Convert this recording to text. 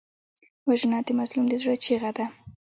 وژنه د مظلوم د زړه چیغه ده